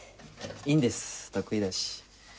いいんです得意だし。